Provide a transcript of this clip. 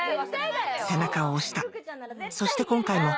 背中を押したそして今回も